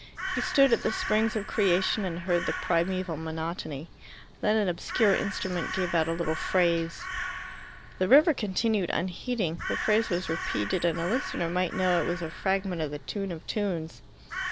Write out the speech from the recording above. He stood at the springs of creation and heard the primeval monotony. Then an obscure instrument gave out a little phrase. The river continued unheeding. The phrase was repeated and a listener might know it was a fragment of the Tune of tunes.